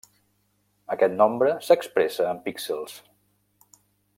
Aquest nombre s'expressa en píxels.